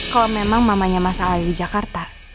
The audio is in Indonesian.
kalau memang mamanya masalahnya di jakarta